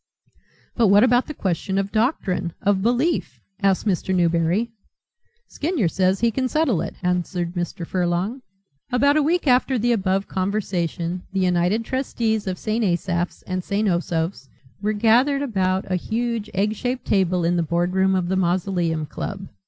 "But what about the question of doctrine, of belief?" asked Mr. Newberry. "Skinyer says he can settle it," answered Mr. Furlong. About a week after the above conversation the united trustees of St. Asaph's and St. Osoph's were gathered about a huge egg shaped table in the board room of the Mausoleum Club.